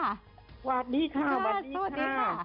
สวัสดีค่ะสวัสดีค่ะ